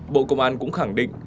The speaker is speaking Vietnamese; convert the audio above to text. bộ công an cũng khẳng định